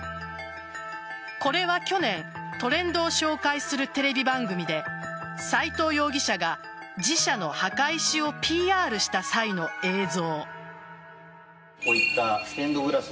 これは去年トレンドを紹介するテレビ番組で斎藤容疑者が自社の墓石をＰＲした際の映像。